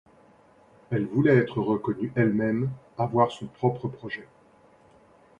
Elle voulait être reconnue elle-même, avoir son propre projet.